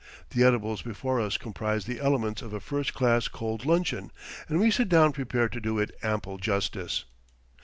The edibles before us comprise the elements of a first class cold luncheon, and we sit down prepared to do it ample justice.